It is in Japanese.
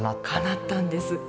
かなったんです。